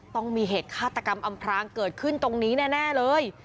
ต้องมีเหตุฆาตกรรมอำพรางเกิดขึ้นตรงนี้แน่เลย